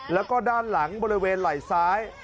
แล้วก็ด้านหลังบริเวณไหล่ซ้าย